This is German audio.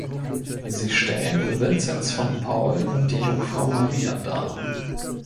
Sie stellen Vinzenz von Paul und die Jungfrau Maria dar.